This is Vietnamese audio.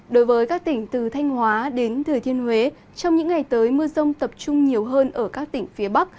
đối với các tỉnh từ thanh hóa đến thừa thiên huế trong những ngày tới mưa rông tập trung nhiều hơn ở các tỉnh phía bắc